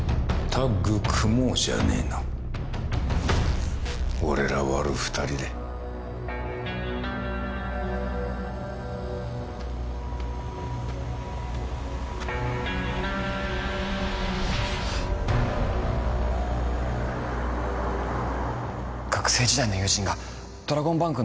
タッグ組もうじゃねえの俺らワル二人で学生時代の友人がドラゴンバンクの